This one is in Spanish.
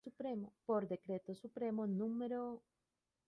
Por Decreto Supremo núm.